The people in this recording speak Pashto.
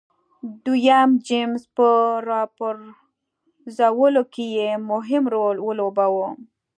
دویم جېمز په راپرځولو کې یې مهم رول ولوباوه.